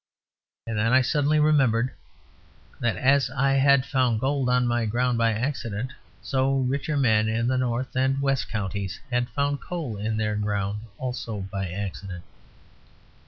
And then I suddenly remembered that as I had found gold on my ground by accident, so richer men in the north and west counties had found coal in their ground, also by accident.